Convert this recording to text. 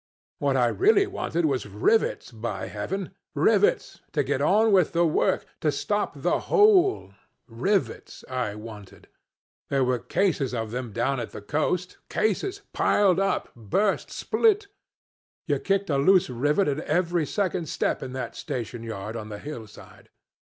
What I really wanted was rivets, by heaven! Rivets. To get on with the work to stop the hole. Rivets I wanted. There were cases of them down at the coast cases piled up burst split! You kicked a loose rivet at every second step in that station yard on the hillside.